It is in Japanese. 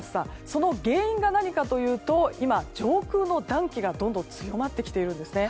その原因が何かというと今、上空の暖気がどんどん強まってきているんですね。